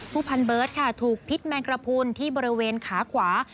พันเบิร์ตค่ะถูกพิษแมงกระพุนที่บริเวณขาขวา